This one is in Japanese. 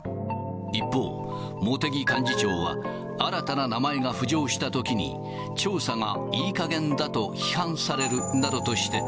一方、茂木幹事長は、新たな名前が浮上したときに、調査がいいかげんだと批判されるなどとして、